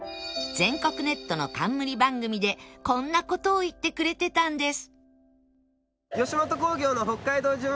全国ネットの冠番組でこんな事を言ってくれてたんです